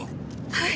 はい。